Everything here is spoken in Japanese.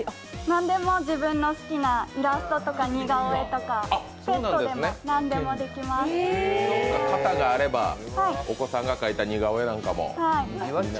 何でも自分の好きなイラストとか似顔絵とか型があればお子さんが描いた似顔絵なんかも。